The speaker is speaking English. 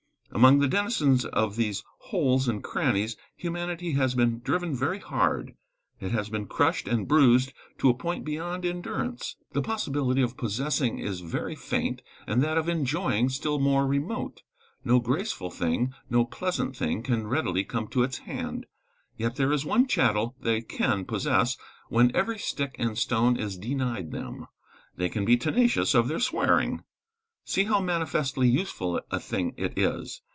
Among the denizens of these holes and crannies humanity has been driven very hard. It has been crushed and bruised to a point beyond endurance. The possibility of possessing is very faint, that of enjoying still more remote. No graceful thing no pleasant thing, can readily come to its hand. Yet there is one chattel they can possess when every stick and stone is denied them. They can be tenacious of their swearing. See how manifestly useful a thing it is!